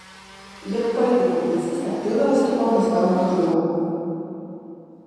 Як паэт і публіцыст актыўна выступаў на старонках друку.